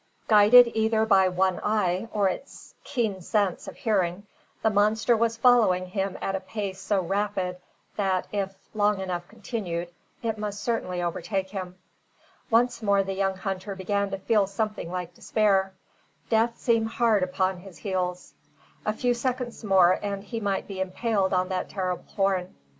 Guided either by one eye or its keen sense of hearing, the monster was following him at a pace so rapid that, if long enough continued, it must certainly overtake him. Once more the young hunter began to feel something like despair. Death seemed hard upon his heels. A few seconds more, and he might be impaled on that terrible horn.